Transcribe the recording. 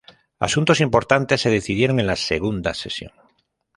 Asuntos importantes se decidieron en la segunda sesión.